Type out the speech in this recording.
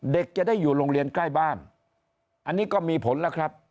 เด็กจะได้อยู่โรงเรียนใกล้บ้านอันนี้ก็มีผลแล้วครับ